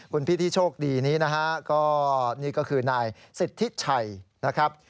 คุณพี่ที่โชคดีนี้นะฮะก็นี่ก็คือนายสิทธิชัยนะครับ